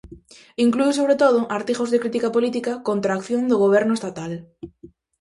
Incluíu, sobre todo, artigos de crítica política contra a acción do goberno estatal.